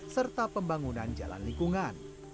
serta pembangunan jalan lingkungan